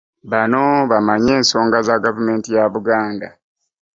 Bano bamanye ensonga za gavumenti ya Buganda